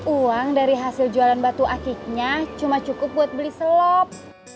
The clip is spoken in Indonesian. uang dari hasil jualan batu akiknya cuma cukup buat beli selop